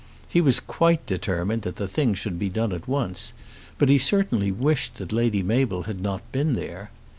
He was quite determined that the thing should be done at once, but he certainly wished that Lady Mabel had not been there.